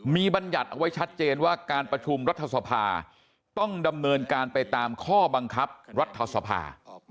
มีบรรยัติเอาไว้ชัดเจนว่าการประชุมรัฐสภาต้องดำเนินการไปตามข้อบังคับรัฐสภา